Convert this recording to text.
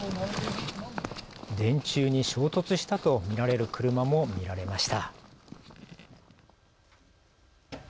電柱に衝突したと見られる車も見られました。